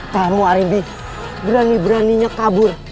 kamu arimbi berani beraninya kabur